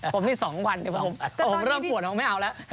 ผมนี่๒วันผมเริ่มปวดผมไม่เอาแล้ว